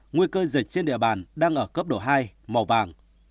nguy cơ dịch trên địa bàn đang ở cấp độ hai màu vàng